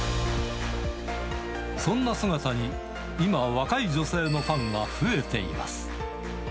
そんな姿に、今、若い女性のファンが増えています。